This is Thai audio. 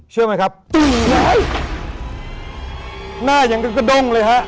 เชื่อไหมครับตุ้งหน่าอย่างกับกระด้งเลยฮะ